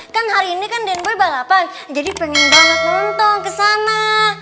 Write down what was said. kan hari ini kan denbay balapan jadi pengen banget nonton ke sana